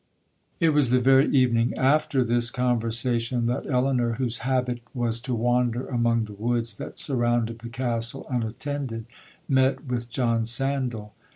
'It was the very evening after this conversation, that Elinor, whose habit was to wander among the woods that surrounded the Castle unattended, met with John Sandal.